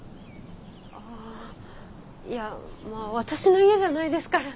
あぁいやまぁ私の家じゃないですから。